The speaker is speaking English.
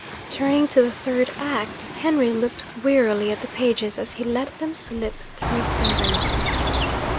Turning to the Third Act, Henry looked wearily at the pages as he let them slip through his fingers.